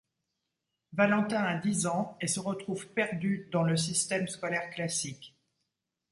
Valentin a dix ans, et se retrouve perdu dans le système scolaire classique.